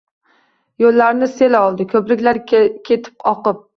Yo‘llarni sellar oldi, ko‘priklar ketdi oqib.